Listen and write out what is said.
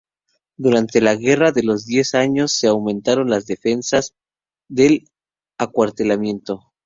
Durante la Guerra de los Diez Años se aumentaron las defensas del acuartelamiento.